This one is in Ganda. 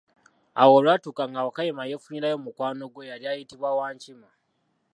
Awo olwatuuka nga Wakayima yefunirayo mukwano gwe eyali ayitibwa Wankima.